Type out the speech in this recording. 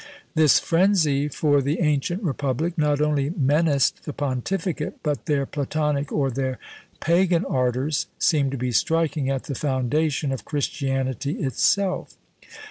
This frenzy for the ancient republic not only menaced the pontificate, but their Platonic or their pagan ardours seemed to be striking at the foundation of Christianity itself.